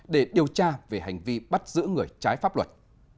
để điều tra về hành vi bắt giữ người trái pháp luật